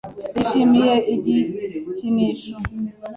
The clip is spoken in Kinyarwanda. Yishimiye igikinisho.